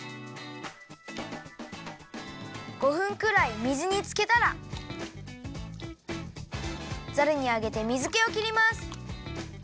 ５分くらい水につけたらザルにあげて水けを切ります。